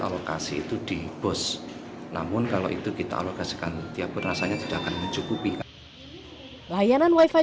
alokasi itu di bos namun kalau itu kita alokasikan tiap berasanya tidak akan mencukupi layanan wifi